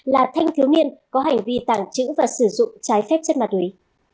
là thanh thiếu niên có hành vi tàng trữ và sử dụng trái phép chất ma túy